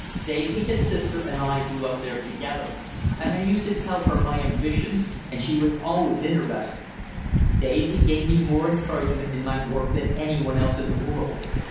Daisy [his sister] and I grew up together there, and I used to tell her my ambitions, and she was always interested. Daisy gave me more encouragement in my work than anyone else in the world.